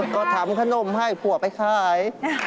ก็ถามขนนมให้ปั่วก็ไปค่าย